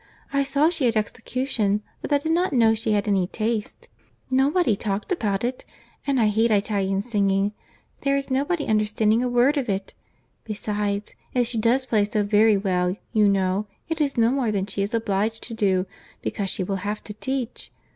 I saw she had execution, but I did not know she had any taste. Nobody talked about it. And I hate Italian singing.—There is no understanding a word of it. Besides, if she does play so very well, you know, it is no more than she is obliged to do, because she will have to teach.